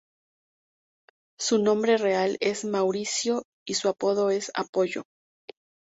Su nombre real es Maurizio, y su apodo es "Apollo".